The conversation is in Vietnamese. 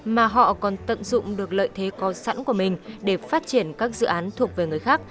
mà họ còn tận dụng được lợi thế có sẵn của mình để phát triển các dự án thuộc về người khác